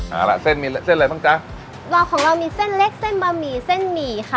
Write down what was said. เอาล่ะเส้นมีเส้นอะไรบ้างจ๊ะเราของเรามีเส้นเล็กเส้นบะหมี่เส้นหมี่ค่ะ